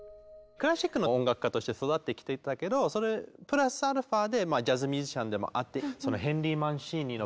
クラシックの音楽家として育ってきていたけどそれプラスアルファでジャズ・ミュージシャンでもあって。